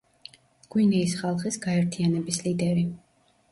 გვინეის ხალხის გაერთიანების ლიდერი.